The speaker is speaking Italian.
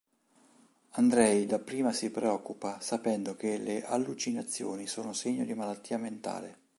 Andrej dapprima si preoccupa, sapendo che le allucinazioni sono segno di malattia mentale.